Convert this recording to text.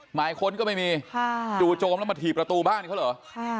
หมายค้นก็ไม่มีจู่โจมแล้วมาถีบประตูบ้านเขาเหรอ